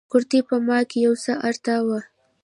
کورتۍ په ما کښې يو څه ارته وه.